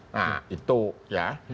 nah itu ya